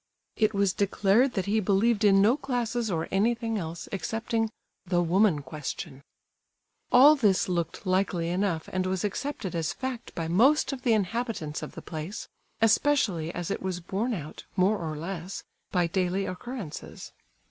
It was declared that he believed in no classes or anything else, excepting "the woman question." All this looked likely enough, and was accepted as fact by most of the inhabitants of the place, especially as it was borne out, more or less, by daily occurrences.